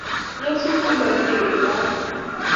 Nyasut komotinyei girindaet